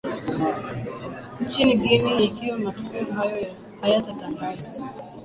nchini guinea ikiwa matokeo hayo hayatatangazwa